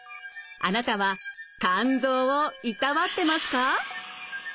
あなたは肝臓をいたわってますか？